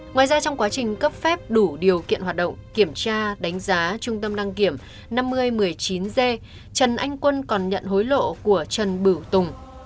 ngoài ra trong quá trình cấp phép đủ điều kiện hoạt động kiểm tra đánh giá trung tâm đăng kiểm năm mươi một mươi chín g trần anh quân còn nhận hối lộ của trần bửu tùng